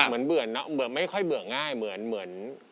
เหมือนไม่ค่อยเบื่อง่ายเหมือน